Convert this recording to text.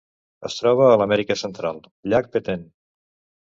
Es troba a l'Amèrica Central: llac Petén.